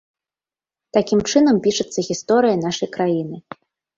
Такім чынам пішацца гісторыя нашай краіны.